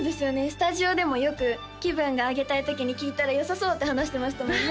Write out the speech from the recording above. スタジオでもよく気分が上げたい時に聴いたらよさそうって話してましたもんね